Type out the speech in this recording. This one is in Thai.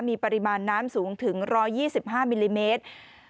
มีปริมาณน้ำสูงถึง๑๒๕มิลลิเมตร